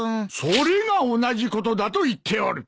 それが同じことだと言っておる。